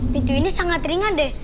pintu ini sangat ringan deh